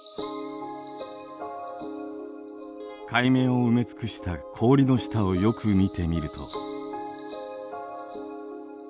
海面を埋め尽くした氷の下をよく見てみると。